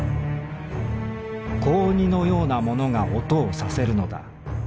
小オニのようなものが音をさせるのだ。